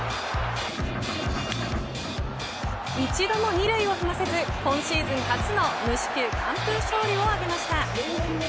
一度も２塁を踏ませず今シーズン初の無四球完封勝利を挙げました。